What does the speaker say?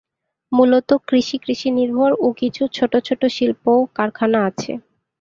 মুলত কৃষি কৃষি নির্ভর ও কিছু ছোট ছোট শিল্প কারখানা আছে।